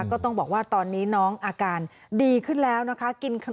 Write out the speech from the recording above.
ก็ต้องบอกว่าตอนนี้น้องอาการดีขึ้นแล้วนะคะ